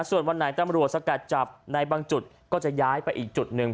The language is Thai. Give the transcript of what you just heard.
ส่วนวันไหนตำรวจสกัดจับในบางจุดก็จะย้ายไปอีกจุดหนึ่ง